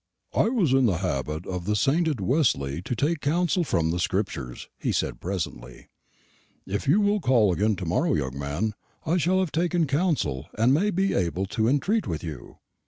"It was the habit of the sainted Wesley to take counsel from the Scriptures," he said presently: "if you will call again tomorrow, young man, I shall have taken counsel, and may be able to entreat with you."